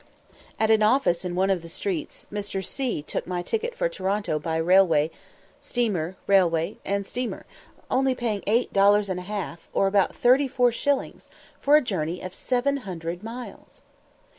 At an office in one of the streets Mr. C took my ticket for Toronto by railway, steamer, railway, and steamer, only paying eight dollars and a half, or about thirty four shillings, for a journey of seven hundred miles!